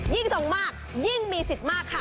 ยิ่งส่งมากยิ่งมีสิทธิ์มากค่ะ